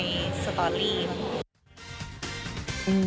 ไม่ถ่ายอะไรในสตอรี่